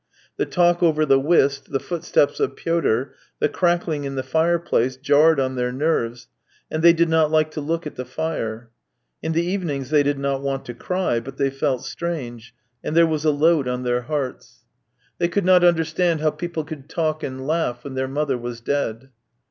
The talk over the whist, the footsteps of Pyotr, the crackling in the fireplace, jarred on their nerves, and they did not like to look at the fire. In the evenings they did not want to cry, but they felt strange, and there was a load on their hearts. THREE YEARS 251 They could not understand how people could talk and laugh when their mother was dead.